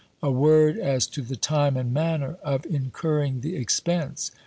A word as to the time and manner of incur ring the expense.